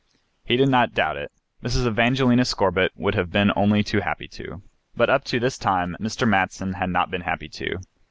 He did not doubt it. Mrs. Evangelina Scorbitt would have been only too happy to... But up to this time Mr. Maston had not been happy to ...